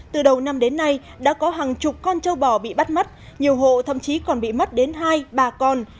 từ đầu năm đến nay đã có hàng chục con châu bò bị bắt mất nhiều hộ thậm chí còn bị mất đến hai ba con